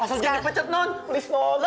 asal jangan dipecat tolong